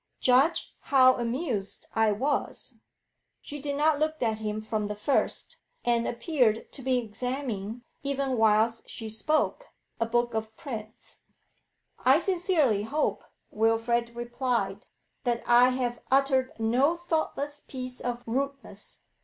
Judge how amused I was!' She did not look at him from the first, and appeared to be examining, even whilst she spoke, a book of prints. 'I sincerely hope,' Wilfrid replied, 'that I have uttered no thoughtless piece of rudeness.